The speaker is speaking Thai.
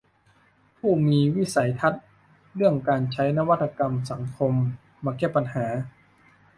ผู้มีวิสัยทัศน์เรื่องการใช้นวัตกรรมสังคมมาแก้ปัญหา